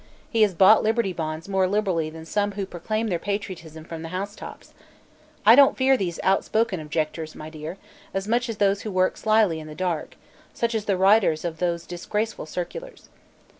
He has bought Liberty Bonds more liberally than some who proclaim their patriotism from the housetops. I don't fear these outspoken objectors, my dear, as much as those who work slyly in the dark such as the writers of those disgraceful circulars."